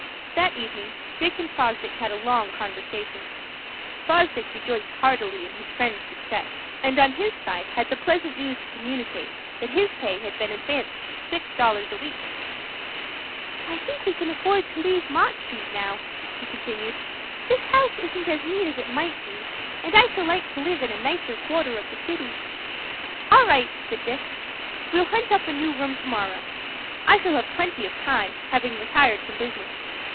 That evening Dick and Fosdick had a long conversation. Fosdick rejoiced heartily in his friend's success, and on his side had the pleasant news to communicate that his pay had been advanced to six dollars a week. "I think we can afford to leave Mott Street now," he continued. "This house isn't as neat as it might be, and I shall like to live in a nicer quarter of the city." "All right," said Dick. "We'll hunt up a new room to morrow. I shall have plenty of time, having retired from business.